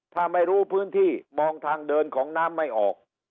ถ้าไม่รู้พื้นที่มองทางเดินของน้ำไม่ออก